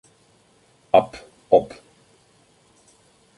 Ab Op.